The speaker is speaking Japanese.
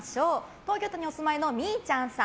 東京都にお住まいのみーちゃんさん